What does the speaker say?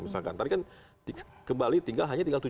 misalkan tadi kan kembali tinggal hanya tinggal tujuh